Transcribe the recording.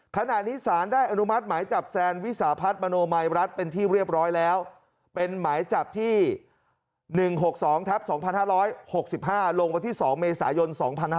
ขณะนี้สารได้อนุมัติหมายจับแซนวิสาพัฒน์มโนมัยรัฐเป็นที่เรียบร้อยแล้วเป็นหมายจับที่๑๖๒ทับ๒๕๖๕ลงวันที่๒เมษายน๒๕๕๙